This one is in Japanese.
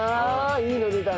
いいの出たな。